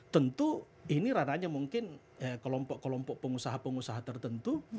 tentu ini ranahnya mungkin kelompok kelompok pengusaha pengusaha tertentu